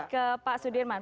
ke pak sudirman